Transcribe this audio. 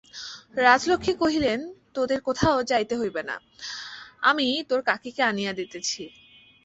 রাজলক্ষ্মী কহিলেন, তোদের কোথাও যাইতে হইবে না, আমিই তোর কাকীকে আনিয়া দিতেছি।